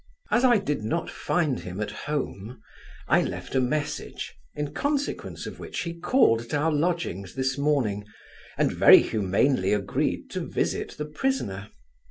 As I did not find him at home, I left a message, in consequence of which he called at our lodgings this morning, and very humanely agreed to visit the prisoner.